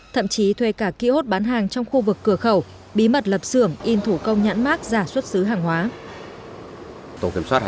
thậm chí thuê cả ký ốt bán hàng trong khu vực cửa khẩu bí mật lập xưởng in thủ công nhãn mác giả xuất xứ hàng hóa